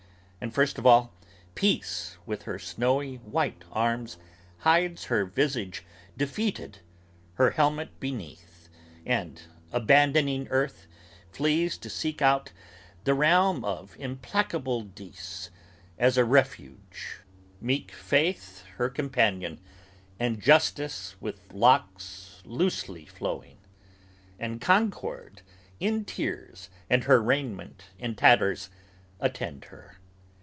And first of all, Peace, with her snowy white arms, hides her visage Defeated, her helmet beneath and, abandoning earth, flees To seek out the realm of implacable Dis, as a refuge Meek Faith her companion, and Justice with locks loosely flowing, And Concord, in tears, and her raiment in tatters, attend her.